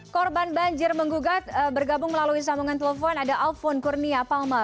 korban banjir menggugat bergabung melalui sambungan telepon ada alfon kurnia palma